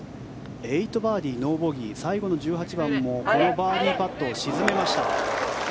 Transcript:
８バーディー、ノーボギー最後の１８番もこのバーディーパットを沈めました。